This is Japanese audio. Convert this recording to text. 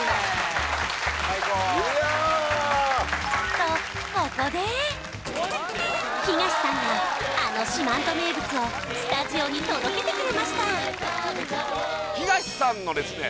いやあ東さんがあの四万十名物をスタジオに届けてくれましたひがしさんのですね